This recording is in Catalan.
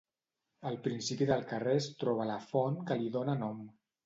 Al principi del carrer es troba la font que li dóna nom.